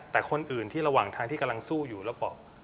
แต่คนอื่นที่ระหว่างทางที่กำลังสู้อยู่แล้วก็บอก